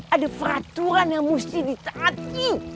ada peraturan yang mesti ditaati